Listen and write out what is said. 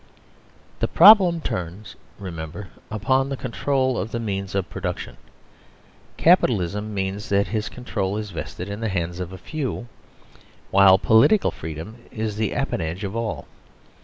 The problem turns, remember, upon the control of the means of production. Capitalism means that 97 7 THE SERVILE STATE this control is vested in the hands of few, while poli tical freedom is the appanage of all.